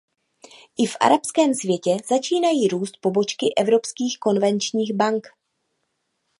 I v arabském světě začínají růst pobočky evropských konvenčních bank.